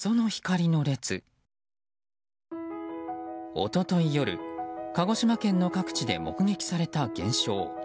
一昨日夜、鹿児島県の各地で確認された現象。